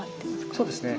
そうですね。